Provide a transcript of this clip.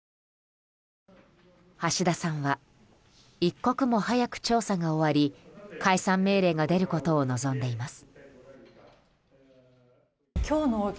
橋田さんは一刻も早く調査が終わり解散命令が出ることを望んでいます。